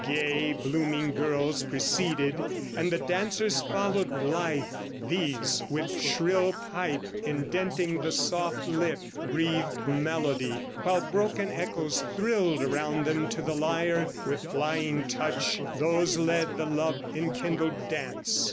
Gay blooming girls Preceded, and the dancers followed blithe: These, with shrill pipe indenting the soft lip, Breath'd melody, while broken echoes thrill'd Around them; to the lyre with flying touch Those led the love enkindled dance.